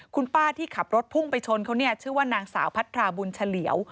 คุณป้าที่ขับรถพุ่งไปชนเขาเนี่ยชื่อว่านางสาวพัทราบุญเฉลี่ยว